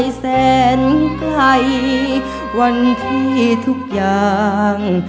ขอให้แสนใกล้วันที่ทุกอย่าง